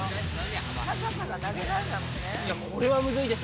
高さが投げられないもんね。